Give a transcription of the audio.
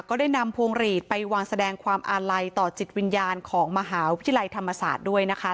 ก็ได้นำพวงหลีดไปวางแสดงความอาลัยต่อจิตวิญญาณของมหาวิทยาลัยธรรมศาสตร์ด้วยนะคะ